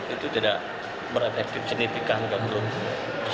itu tidak beradaptif signifikan untuk klub